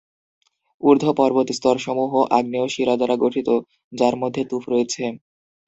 ঊর্ধ্ব পর্বত স্তরসমূহ আগ্নেয় শিলা দ্বারা গঠিত, যার মধ্যে তুফ রয়েছে।